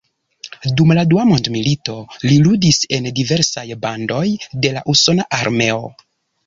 Dum la Dua Mondmilito li ludis en diversaj bandoj de la usona armeo.